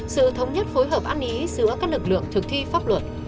sự thống nhất phối hợp ăn ý giữa các lực lượng thực thi pháp luật